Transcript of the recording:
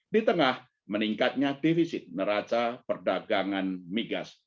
di tengah meningkatnya defisit neraca perdagangan migas